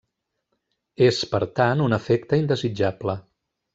És, per tant, un efecte indesitjable.